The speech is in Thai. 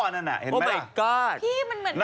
นั่นอ่ะเห็นไหมฮะพี่มันเหมือน